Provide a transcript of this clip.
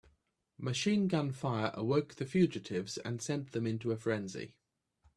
Machine gun fire awoke the fugitives and sent them into a frenzy.